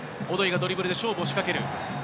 オドイがドリブルで勝負を仕掛ける。